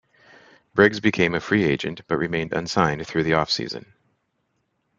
Briggs became a free agent but remained unsigned through the offseason.